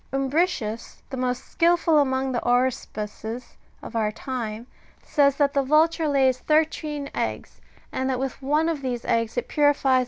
• Umbricius, the most skilful among the aruspices of our time, says that the vulture lays thirteen eggs,^^ and that with one of ^ See Virgil, Mn.